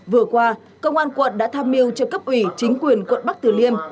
vừa qua công an quận đã tham mưu cho cấp ủy chính quyền quận bắc tử liêm